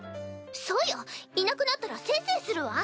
そうよいなくなったらせいせいするわ。